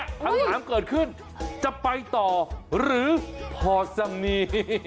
ทางหลังเกิดขึ้นจะไปต่อหรือพอซะมี